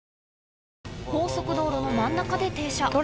高速道路の真ん中で停車。